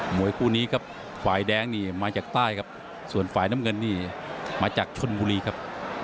วยคู่นี้ครับฝ่ายแดงนี่มาจากใต้ครับส่วนฝ่ายน้ำเงินนี่มาจากชนบุรีครับ